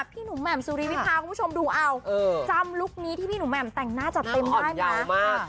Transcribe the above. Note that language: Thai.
พี่หนุ่มแหม่มสุริวิพาคุณผู้ชมดูเอาจำลุคนี้ที่พี่หนุ่มแหม่มแต่งหน้าจัดเต็มได้ไหม